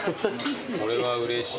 これはうれしい。